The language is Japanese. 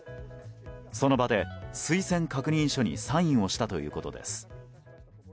その場で、推薦確認書にサインをしたということです。